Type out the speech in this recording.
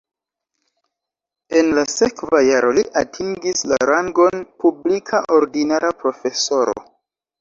En la sekva jaro li atingis la rangon publika ordinara profesoro.